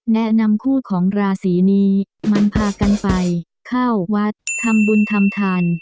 แนะนำคู่ของราศีนี้มันพากันไปเข้าวัดทำบุญทำทาน